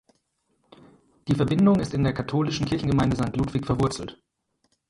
Die Verbindung ist in der katholischen Kirchengemeinde Sankt Ludwig verwurzelt.